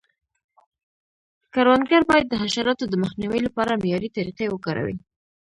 کروندګر باید د حشراتو د مخنیوي لپاره معیاري طریقې وکاروي.